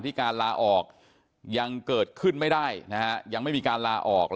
การลาออกยังเกิดขึ้นไม่ได้นะฮะยังไม่มีการลาออก